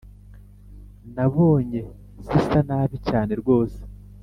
Nabonye zisa nabi cyane rwose